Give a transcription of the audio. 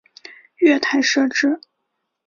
月台设置